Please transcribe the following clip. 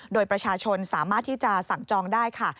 โดยประชาชนสามารถที่จะสั่งจองได้ค่ะ